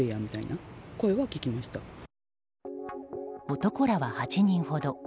男らは、８人ほど。